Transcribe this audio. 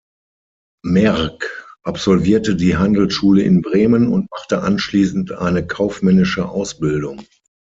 Merck absolvierte die Handelsschule in Bremen und machte anschließend eine kaufmännische Ausbildung.